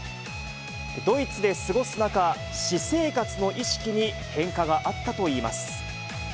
ドイツで過ごす中、私生活の意識に変化があったといいます。